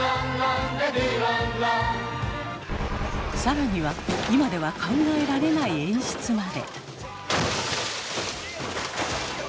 更には今では考えられない演出まで。